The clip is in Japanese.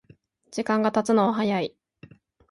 時間がたつのは早い